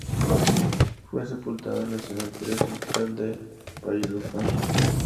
Fue sepultada en el Cementerio Central de Valledupar.